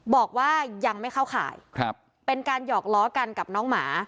บอกว่ายังไม่เข้าข่ายเป็นการหยอกล้อกันกับน้องหมา